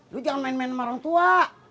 lu jangan main main sama orang tua